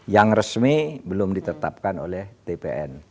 yang resmi belum ditetapkan oleh tpn